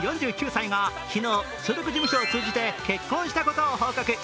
４９歳が昨日、所属事務所を通じて結婚したことを報告。